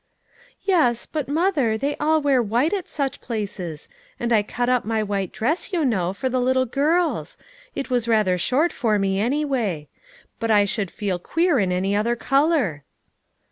"Yes; but, mother, they all wear white at such places ; and I cut up my white dress, you know, for the little girls ; it was rather short for me anyway; brft I should feel queer in any other color."